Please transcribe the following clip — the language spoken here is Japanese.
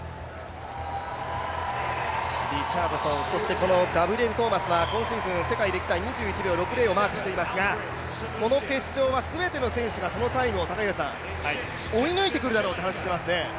リチャードソン、そしてガブリエル・トーマスは今シーズン世界歴代２位のタイムをマークしていますが、この決勝は全ての選手がそのタイムを追い抜いてくるだろうと話していますね。